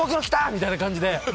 みたいな感じで。